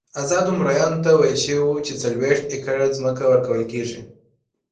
ازادو مریانو ته ویل شوي وو چې څلوېښت ایکره ځمکه ورکول کېږي.